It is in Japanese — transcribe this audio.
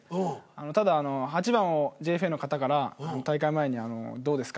ただ８番をＪＦＡの方から大会前にどうですか？